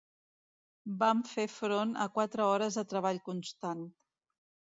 Vam fer front a quatre hores de treball constant.